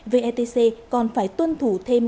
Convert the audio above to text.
vetc còn phải tuân thủ thêm